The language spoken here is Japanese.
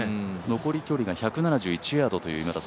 残り距離が１４１ヤードと。